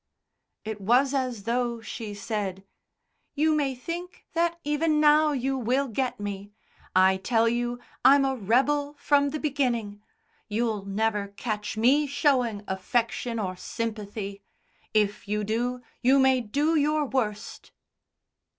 It was as though she said, "You may think that even now you will get me. I tell you I'm a rebel from the beginning; you'll never catch me showing affection or sympathy. If you do you may do your worst."